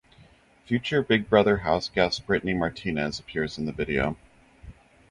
Future "Big Brother" houseguest Brittany Martinez appears in the video.